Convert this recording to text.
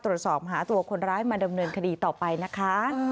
ตรวจสอบหาตัวคนร้ายมาดำเนินคดีต่อไปนะคะ